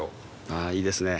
ああいいですね。